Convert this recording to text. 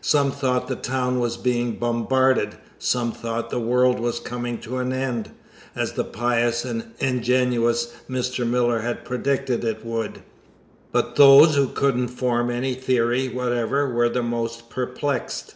Some thought the town was being bombarded; some thought the world was coming to an end, as the pious and ingenious Mr. Miller had predicted it would; but those who couldn't form any theory whatever were the most perplexed.